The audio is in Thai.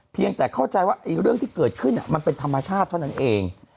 เพียงแต่เข้าใจว่าเรื่องที่เกิดขึ้นมันเป็นธรรมชาติเท่านั้นเอง